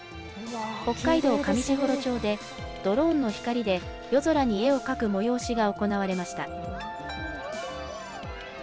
北海道上士幌町で、ドローンの光で夜空に絵を描く催しが行われました。